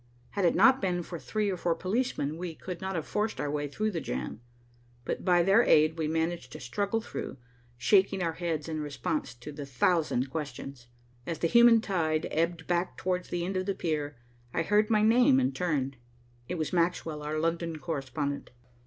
Had it not been for three or four policemen, we could not have forced our way through the jam, but by their aid we managed to struggle through, shaking our heads in response to the thousand questions. As the human tide ebbed back towards the end of the pier, I heard my name and turned. It was Maxwell, our London correspondent.